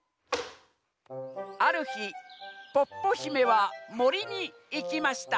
「あるひポッポひめはもりにいきました」。